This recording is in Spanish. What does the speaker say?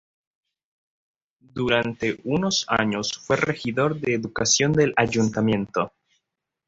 Durante unos años fue regidor de educación del Ayuntamiento.